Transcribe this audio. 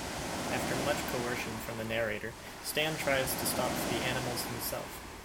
After much coercion from the narrator, Stan tries to stop the animals himself.